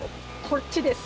こっちです。